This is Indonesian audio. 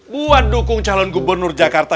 buat dukung calon gubernur jakarta